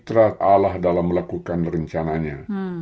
trurat allah dalam melakukan rencananya